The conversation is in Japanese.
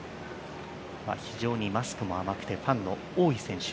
非常にマスクも甘くてファンの多い選手。